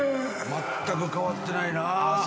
まったく変わってないな。